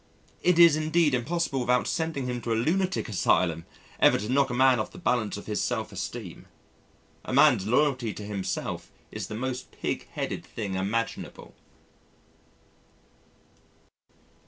It is indeed impossible without sending him to a lunatic asylum ever to knock a man off the balance of his self esteem.... A man's loyalty to himself is the most pig headed thing imaginable.